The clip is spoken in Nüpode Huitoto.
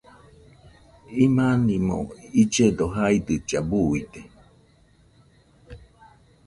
Imanimo illledo jaidɨlla, buide